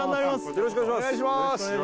よろしくお願いします